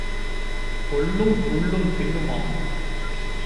கொள்ளும் புல்லும் தின்னுமாம்.